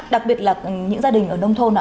đặc biệt là những gia đình ở nông thôn